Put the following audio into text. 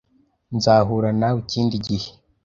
Nzahura nawe ikindi gihe.